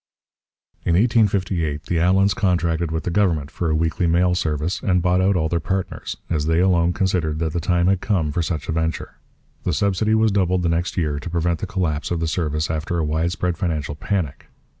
In 1858 the Allans contracted with the government for a weekly mail service and bought out all their partners, as they alone considered that the time had come for such a venture. The subsidy was doubled the next year to prevent the collapse of the service after a widespread financial panic.